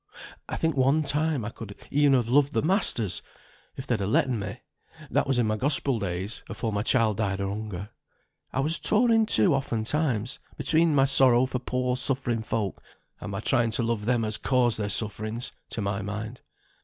I think one time I could e'en have loved the masters if they'd ha' letten me; that was in my Gospel days, afore my child died o' hunger. I was tore in two often times, between my sorrow for poor suffering folk, and my trying to love them as caused their sufferings (to my mind).